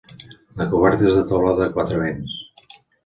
La coberta és de teulada a quatre vents.